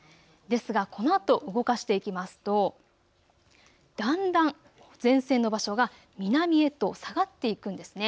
ですが、このあと動かしていきますとだんだん前線の場所が南へと下がっていくんですね。